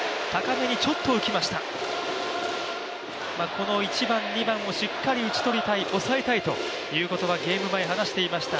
この１番、２番をしっかり打ち取りたいおさえたいということはゲーム前、話していました。